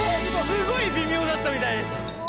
すごいびみょうだったみたいです。